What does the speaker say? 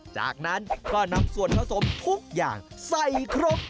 จากนั้นก็นำส่วนผสมทุกอย่างใส่ครบ